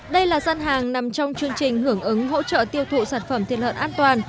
đây là dân hàng nằm trong chương trình hưởng ứng hỗ trợ tiêu thụ sản phẩm thịt lợn an toàn